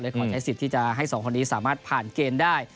ขอใช้สิทธิ์ที่จะให้สองคนนี้สามารถผ่านเกณฑ์ได้